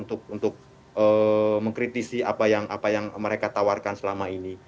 untuk mengkritisi apa yang mereka tawarkan selama ini